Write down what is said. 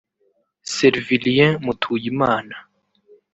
Servilien Mutuyimana